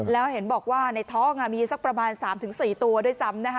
แล้วเห็นบอกว่าในท้องมีสักประมาณ๓๔ตัวด้วยซ้ำนะคะ